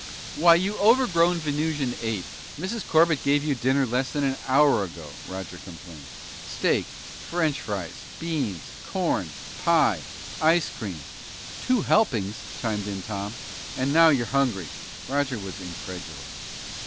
"Why, you overgrown Venusian ape, Mrs. Corbett gave you dinner less than an hour ago!" Roger complained. "Steak, French fries, beans, corn, pie, ice cream...." "Two helpings," chimed in Tom. "And now you're hungry!" Roger was incredulous.